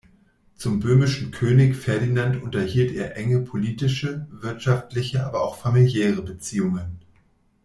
Zum böhmischen König Ferdinand unterhielt er enge politische, wirtschaftliche aber auch familiäre Beziehungen.